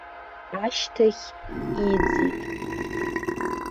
Ашьҭахь иӡит.